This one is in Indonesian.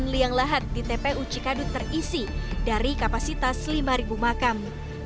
delapan liang lahat di tpu cikadut terisi dari kapasitas lima makam